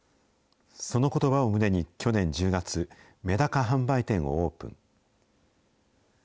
そのことばを胸に去年１０月、メダカ販売店をオープン。